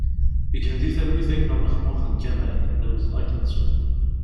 Gen di talwit a gma Maxmuxen Kamal, d awezɣi ad k-nettu!